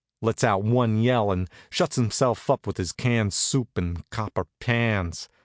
lets out one yell, and shuts himself up with his canned soup and copper pans.